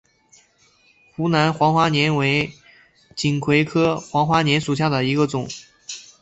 湖南黄花稔为锦葵科黄花稔属下的一个种。